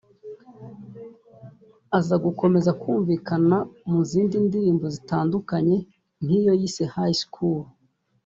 aza gukomeza kumvikana mu zindi ndirimbo zitandukanye nk’iyo yise High school